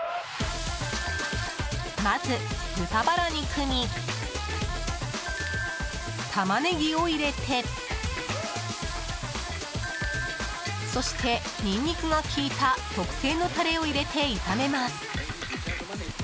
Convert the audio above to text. まず、豚バラ肉にタマネギを入れてそして、ニンニクが効いた特製のタレを入れて炒めます。